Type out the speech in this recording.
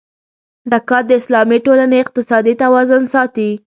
زکات د اسلامي ټولنې اقتصادي توازن ساتي.